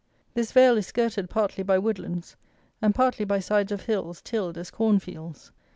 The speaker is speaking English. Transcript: This vale is skirted partly by woodlands and partly by sides of hills tilled as corn fields.